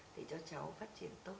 để cho cháu phát triển tốt